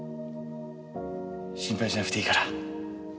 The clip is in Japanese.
心配しなくていいから。